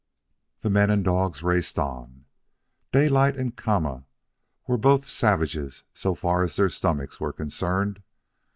The men and dogs raced on. Daylight and Kama were both savages so far as their stomachs were concerned.